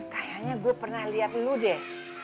kayaknya gua pernah liat lu deh